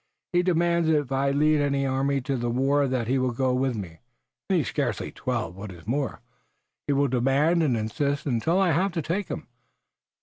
He demands if I lead an army to the war that he go with me, and he scarce twelve. What is more, he will demand and insist, until I have to take him.